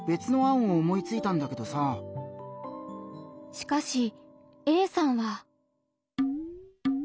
しかしＡさんは。